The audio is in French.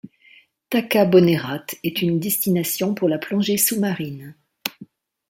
Taka Bonerate est une destination pour la plongée sous-marine.